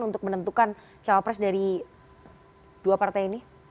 untuk menentukan cawapres dari dua partai ini